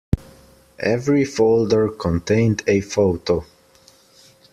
Every folder contained a photo.